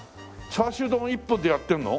チャーシュー丼一本でやってるの？